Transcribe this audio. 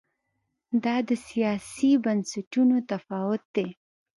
دا د سیاسي بنسټونو تفاوت دی.